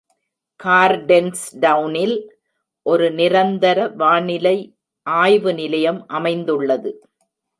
கார்டென்ஸ்டவுனில் ஒரு நிரந்தர வானிலை ஆய்வு நிலையம் அமைந்துள்ளது.